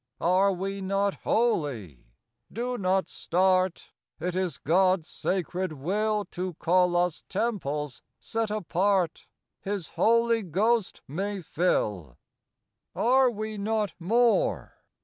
Are we not holy ? Do not start: It is God's sacred will To call us Temples set apart His Holy Ghost may fill. Are we not more